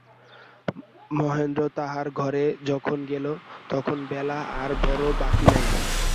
মহেন্দ্র তাঁহার ঘরে যখন গেল, তখন বেলা আর বড়ো বাকি নাই।